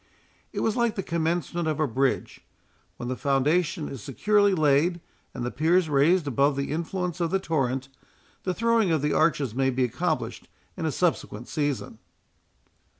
It was like the commencement of a bridge; when the foundation is securely laid, and the piers raised above the influence of the torrent, the throwing of the arches may be accomplished in a subsequent season.